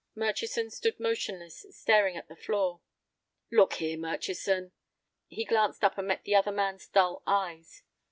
Murchison stood motionless, staring at the floor. "Look here, Murchison." He glanced up and met the other man's dull eyes.